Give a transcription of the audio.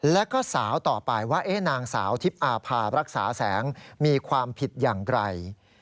แล้วก็สาวต่อไปว่านางสาวทิพย์อาภารักษาแสงมีความผิดอย่างไร